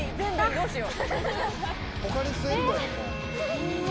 どうしよう